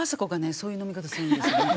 そういう飲み方するんですよね。